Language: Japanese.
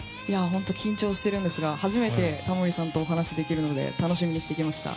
本当、緊張しているんですが初めてタモリさんとお話しできるので楽しみにしてきました。